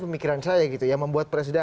pemikiran saya gitu ya membuat presiden